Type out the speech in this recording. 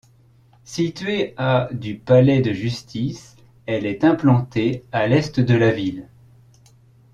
Située à du palais de Justice, elle est implantée à l'est de la ville.